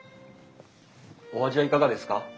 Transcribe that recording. お味はいかがですか？